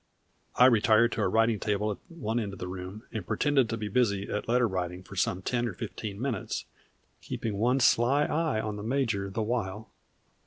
I retired to a writing table at one end of the room, and pretended to be busy at letter writing for some ten or fifteen minutes, keeping one sly eye on the major the while.